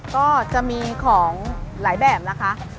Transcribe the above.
ก็จะมีของหลายแบบนะคะ